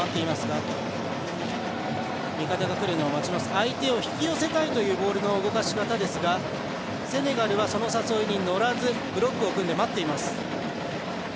相手を引き寄せたいというボールの動かし方ですがセネガルはその誘いに乗らずブロックを組んで、待っています。